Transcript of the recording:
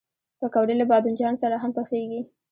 پکورې له بادنجان سره هم پخېږي